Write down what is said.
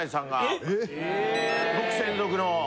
僕専属の。